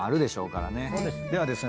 ではですね